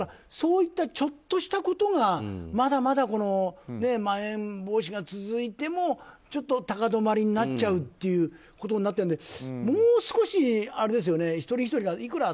そういったちょっとしたことがまだまだまん延防止が続いてもちょっと高止まりになっちゃうっていうことになってるのでもう少し、一人ひとりが。